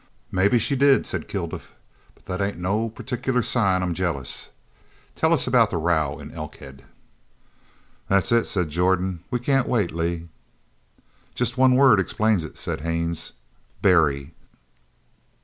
"Maybe she did," said Kilduff, "but that ain't no partic'lar sign I'm jealous. Tell us about the row in Elkhead." "That's it," said Jordan. "We can't wait, Lee." "Just one word explains it," said Haines. "Barry!"